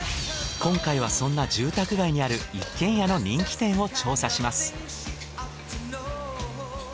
今回はそんな住宅街にある一軒家の人気店を調査します。